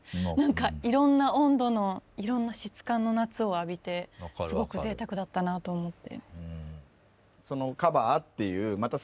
いろんな温度のいろんな質感の夏を浴びてすごく贅沢だったなと思って。